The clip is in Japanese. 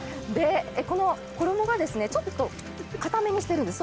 この衣がちょっと固めにしているんです。